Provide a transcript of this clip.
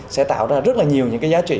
sẽ tạo ra rất là nhiều những cái giá trị